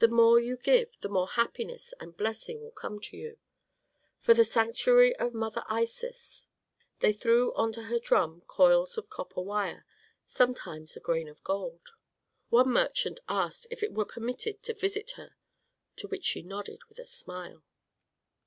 The more you give the more happiness and blessing will come to you. For the sanctuary of Mother Isis!" They threw onto her drum coils of copper wire, sometimes a grain of gold. One merchant asked if it were permitted to visit her, to which she nodded with a smile.